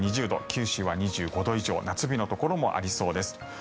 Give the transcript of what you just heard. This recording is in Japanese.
九州は２５度以上夏日のところもありそうです。